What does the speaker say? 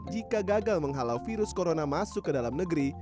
jika gagal menghalau virus corona masuk ke dalam negeri